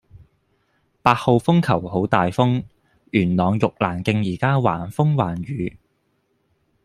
八號風球好大風，元朗玉蘭徑依家橫風橫雨